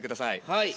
はい。